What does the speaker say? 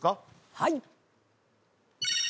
はい。